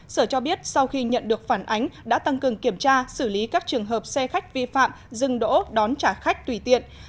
sở cho biết sau khi nhận được phản ánh đã tăng cường kiểm tra xử lý các trường hợp xe khách vi phạm dừng đỗ đón trả khách tùy tiện